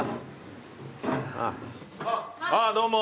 あっどうも。